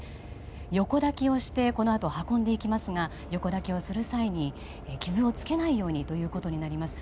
横抱きをしてこのあと運んでいきますが横抱きをする際に傷をつけないようにということになります。